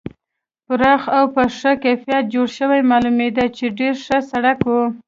پراخ او په ښه کیفیت جوړ شوی معلومېده چې ډېر ښه سړک و.